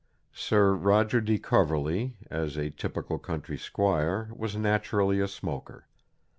Sir Roger de Coverley, as a typical country squire, was naturally a smoker.